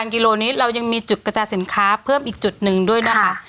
กิโลนี้เรายังมีจุดกระจายสินค้าเพิ่มอีกจุดหนึ่งด้วยนะคะ